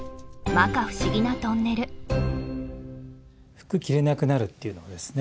服が着れなくなるっていうのはですね